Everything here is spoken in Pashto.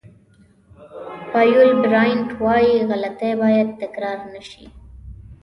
پایول براینټ وایي غلطۍ باید تکرار نه شي.